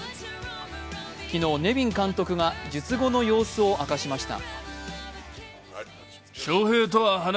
昨日、ネビン監督が術後の様子を明かしました。